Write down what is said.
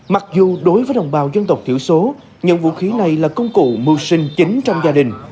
mặc dù đối với đồng bào dân tộc thiểu số những vũ khí này là công cụ mưu sinh chính trong gia đình